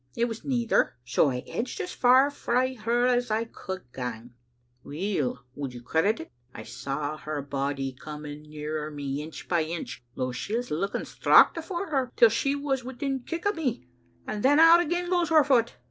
* It was neither, so I edged as far frae her as I could gang, Weel, would you credit it, I saw her body coming nearer me inch by inch, though she was looking straucht afore her, till she was within kick o' me, and then out again goes her foot.